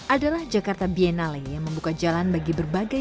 adalah jakarta biennale yang membuka jalan bagi berbagai